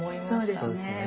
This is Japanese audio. そうですね。